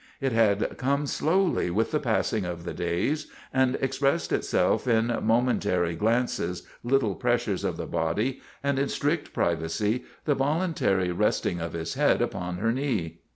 It had come slowly with the passing of the days, and ex pressed itself in momentary glances, little pressures of the body, and, in strict privacy, the voluntary rest ing of his head upon her knee.